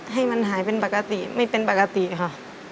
ให้มันหายเป็นปกติไม่เป็นปกติค่ะ